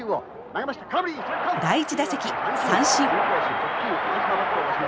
第１打席三振。